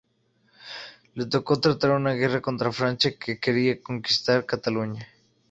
Le tocó tratar una guerra contra Francia, que quería conquistar Cataluña.